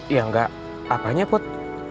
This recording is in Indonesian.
ya enggak apanya put